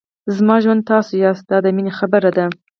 زما ژوند تاسو یاست دا د مینې خبره ده.